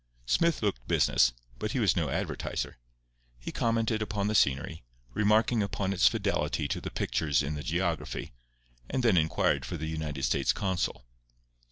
Smith looked business, but he was no advertiser. He commented upon the scenery, remarking upon its fidelity to the pictures in the geography; and then inquired for the United States consul.